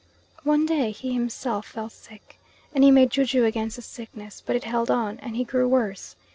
One day he himself fell sick, and he made ju ju against the sickness; but it held on, and he grew worse.